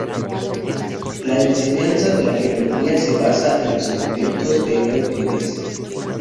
La enseñanza de la geometría se basa en "Los Elementos" de Euclides.